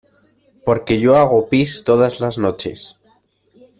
porque yo hago pis todas las noches.